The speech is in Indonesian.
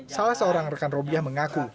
salah seorang rekan robiah mengaku